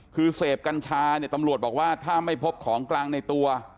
คือเสพกัญชาเนี่ยตำรวจบอกว่าถ้าไม่พบของกลางในตัว